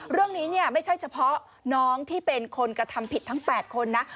เรื่องนี้เนี่ยไม่ใช่เฉพาะน้องที่เป็นคนกระทำผิดทั้ง๘คนนะ